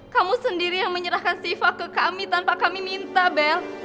kamu sendiri yang menyerahkan siva ke kami tanpa kami minta bel